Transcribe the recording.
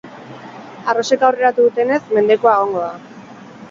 Arrosek aurreratu dutenez, mendekua egongo da!